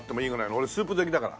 俺スープ好きだから。